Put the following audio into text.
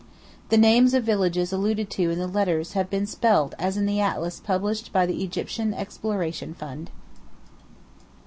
The names of villages alluded to in the 'Letters' have been spelt as in the Atlas published by the Egyptian Exploration Fund.